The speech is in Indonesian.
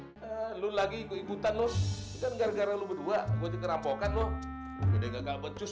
hai hai hai lulagi ikutin loh kan gara gara lu berdua gue kerampokan loh udah gak becus